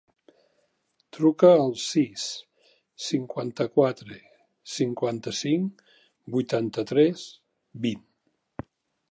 Truca al sis, cinquanta-quatre, cinquanta-cinc, vuitanta-tres, vint.